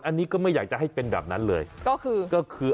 อันนี้ก็ไม่อยากจะให้เป็นแบบนั้นเลยก็คือก็คือ